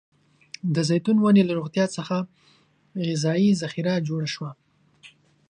د زیتون ونې له روغتيا څخه غذايي ذخیره جوړه شوه.